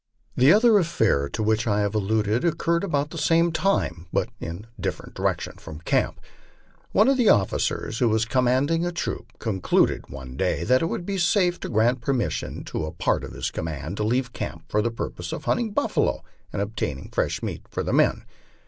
The other affair to which I have alluded occurred about the same time, but in a different direction from camp. One of the officers, who was commanding a troop, concluded one day that it would be safe to grant permission to a part of his command to leave camp for the purpose of hunting buffalo and obtain ing fresh meat for the men.